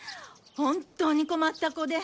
本当に困った子で。